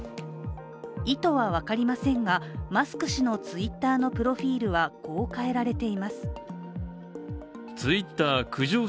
意図は分かりませんが、マスク氏のＴｗｉｔｔｅｒのプロフィールはこう変えられています。